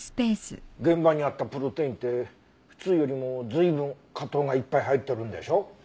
現場にあったプロテインって普通よりも随分果糖がいっぱい入ってるんでしょ？